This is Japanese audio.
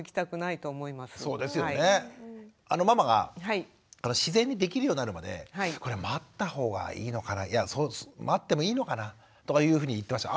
ママが自然にできるようになるまで待った方がいいのかないや待ってもいいのかなとかいうふうに言ってました。